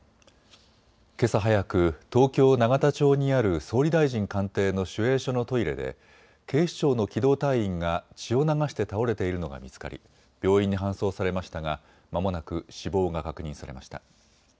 けさ早く、東京永田町にある総理大臣官邸の守衛所のトイレで警視庁の機動隊員が血を流して倒れているのが見つかり病院に搬送されましたがまもなく死亡が確認されました。